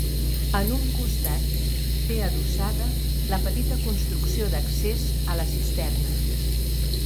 En un costat té adossada la petita construcció d'accés a la cisterna.